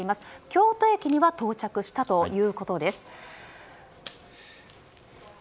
京都駅には到着したということです。